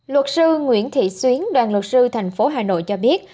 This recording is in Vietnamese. luật sư nguyễn thị xuyến đoàn luật sư thành phố hà nội cho biết